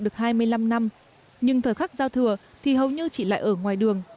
được hai mươi năm năm nhưng thời khắc giao thừa thì hầu như chỉ lại ở ngoài đường